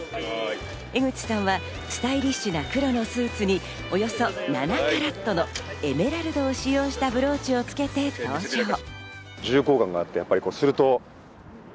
江口さんはスタイリッシュな黒のスーツに、およそ７カラットのエメラルドを使用したブローチをつけて登場。